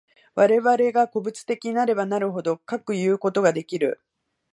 我々が個物的なればなるほど、かくいうことができる。